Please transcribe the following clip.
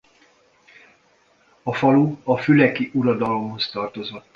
A falu a füleki uradalomhoz tartozott.